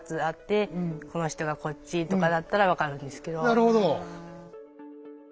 なるほど。